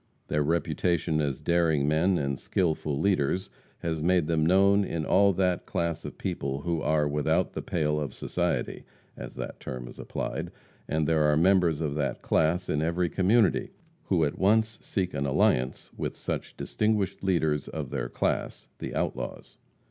Their reputation as daring men and skillful leaders has made them known to all that class of people who are without the pale of society, as that term is applied and there are members of that class in every community who at once seek an alliance with such distinguished leaders of their class the outlaws.